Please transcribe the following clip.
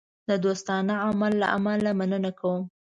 د دوستانه عمل له امله مننه کوم.